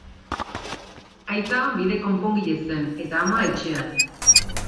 Aita bide konpongile zen eta ama etxean.